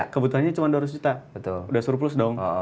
kebutuhannya cuma dua ratus juta betul udah surplus dong